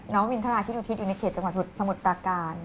มินทราชินุทิศอยู่ในเขตจังหวัดสมุทรปราการ